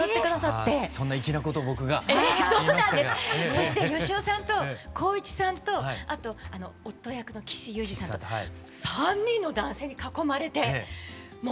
そして芳雄さんと光一さんとあと夫役の岸祐二さんと３人の男性に囲まれてもう乾杯をして頂いたと。